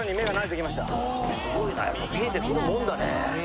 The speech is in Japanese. すごいなやっぱ見えてくるもんだね